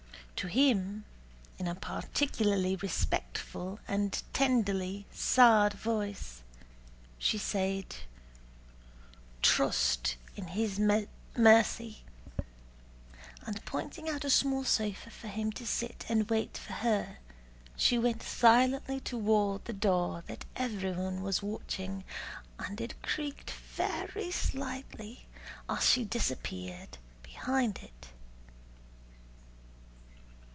To him, in a particularly respectful and tenderly sad voice, she said: "Trust in His mercy!" and pointing out a small sofa for him to sit and wait for her, she went silently toward the door that everyone was watching and it creaked very slightly as she disappeared behind it.